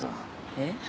えっ？